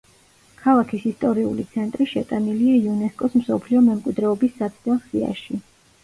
ქალაქის ისტორიული ცენტრი შეტანილია იუნესკოს მსოფლიო მემკვიდრეობის საცდელ სიაში.